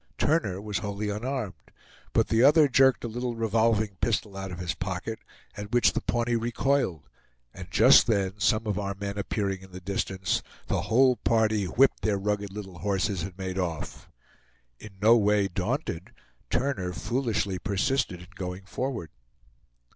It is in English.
Turner was wholly unarmed; but the other jerked a little revolving pistol out of his pocket, at which the Pawnee recoiled; and just then some of our men appearing in the distance, the whole party whipped their rugged little horses, and made off. In no way daunted, Turner foolishly persisted in going forward.